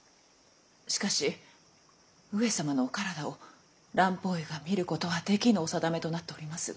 しかし上様のお体を蘭方医が診ることはできぬお定めとなっておりますが。